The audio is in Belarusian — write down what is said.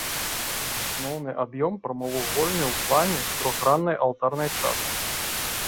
Асноўны аб'ём прамавугольны ў плане з трохграннай алтарнай часткай.